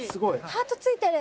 ハートついてる！